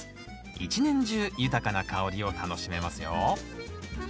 一年中豊かな香りを楽しめますよ